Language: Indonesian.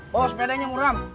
bawa sepedanya muram